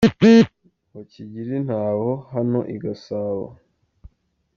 Ngo kigire intaho hano I Gasabo.